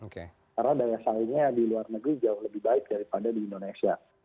karena daya salingnya di luar negeri jauh lebih baik daripada di indonesia